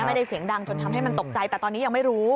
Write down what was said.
ไม่ได้เสียงดังจนทำให้มันตกใจแต่ตอนนี้ยังไม่รู้